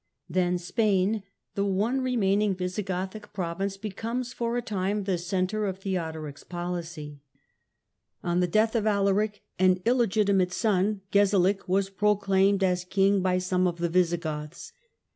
Then Spain, the one remaining Visigothic province, 4. Spain scomes for a time the centre of Theodoric 's policy, a the death of Alaric an illegitimate son, Gesalic, was oclaimed as king by some of the Visigoths.